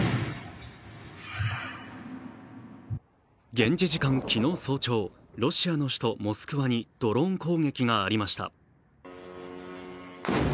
現地時間昨日早朝、ロシアの首都モスクワにドローン攻撃がありました。